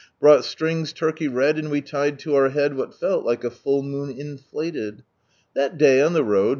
Brought strings, turUey red, And we lied to our head What fell like a full moon iatti That day on the road.